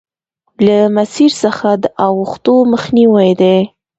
له مسیر څخه د اوښتو مخنیوی دی.